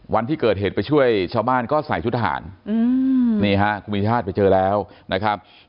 วันที่เกิดเหตุไปช่วยชาวบ้านก็ใส่ชุดทหารนี่ฮะคุณมีชาติไปเจอแล้วนะครับ